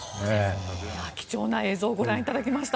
貴重な映像をご覧いただきました。